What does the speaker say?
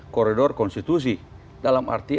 koridor konstitusi dalam arti